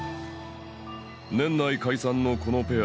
年内解散のこのペア